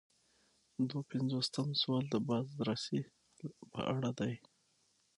دوه پنځوسم سوال د بازرسۍ په اړه دی.